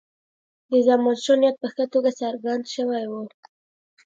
د زمانشاه نیت په ښه توګه څرګند شوی وو.